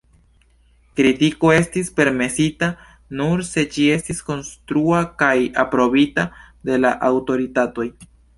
Kritiko estis permesita nur se ĝi estis “konstrua” kaj aprobita de la aŭtoritatoj.